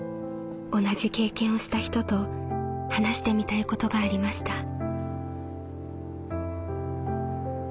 同じ経験をした人と話してみたいことがありました。